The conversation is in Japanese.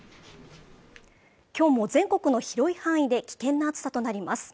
きょうも全国の広い範囲で危険な暑さとなります